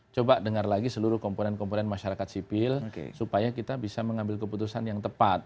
coba dengar lagi seluruh komponen komponen masyarakat sipil supaya kita bisa mengambil keputusan yang tepat